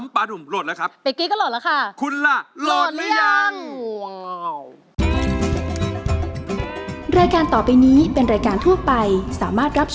ป้านุ่มโหลดแล้วครับ